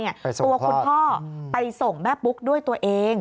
ตัวคุณพ่อไปส่งแม่ปุ๊กด้วยตัวเอง